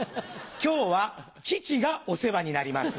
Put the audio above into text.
今日は父がお世話になります。